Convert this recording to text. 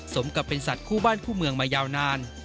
สมกับเป็นสัตว์คู่บ้านคู่เมืองมายาวนาน